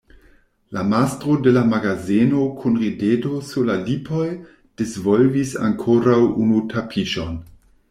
La mastro de la magazeno kun rideto sur la lipoj disvolvis ankoraŭ unu tapiŝon.